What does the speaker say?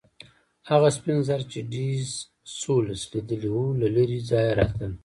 هغه سپین زر چې ډي سولس لیدلي وو له لرې ځایه راتلل.